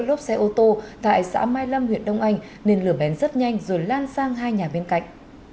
lốp xe ô tô tại xã mai lâm huyện đông anh nên lửa bén rất nhanh rồi lan sang hai nhà bên cạnh